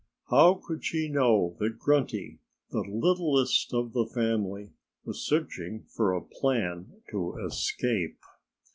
How could she know that Grunty the littlest of the family was searching for a place to escape?